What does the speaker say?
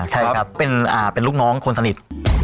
ใช่ครับเป็นลูกน้องคนสนิท